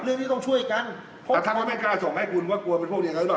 เรื่องนี้ต้องช่วยกันแต่ถ้าไม่กล้าส่งให้คุณว่ากลัวเป็นพวกเดี๋ยวนะ